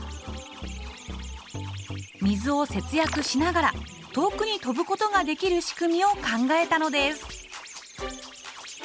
水を節約しながら遠くに飛ぶことができる仕組みを考えたのです。